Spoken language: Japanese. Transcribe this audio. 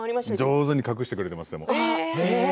上手に隠してくれていますよ。